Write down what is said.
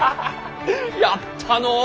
やったのう。